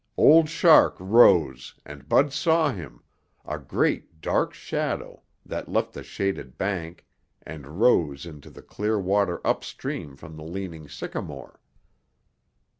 Old Shark rose and Bud saw him, a great, dark shadow that left the shaded bank and rose into the clear water upstream from the leaning sycamore.